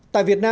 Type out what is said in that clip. tại việt nam